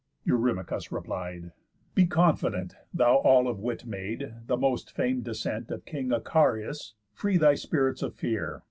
Eurymachus replied: "Be confident, Thou all of wit made, the most fam'd descent Of king Icarius. Free thy spirits of fear.